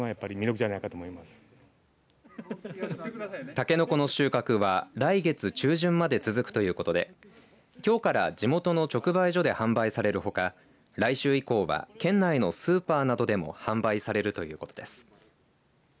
たけのこの収穫は来月中旬まで続くということできょうから地元の直売所で販売されるほか来週以降は県内のスーパーなどでも販売されるということです。